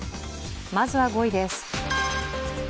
まずは５位です。